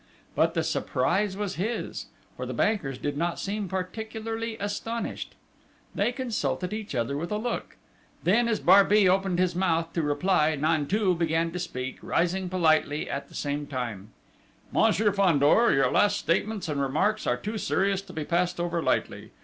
But, the surprise was his, for the bankers did not seem particularly astonished. They consulted each other with a look. Then, as Barbey opened his mouth to reply, Nanteuil began to speak, rising politely at the same time. "Monsieur Fandor, your last statements and remarks are too serious to be passed over lightly.